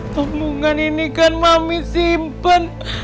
tabungan ini kan mami simpen